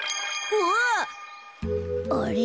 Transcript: うわ。あれ？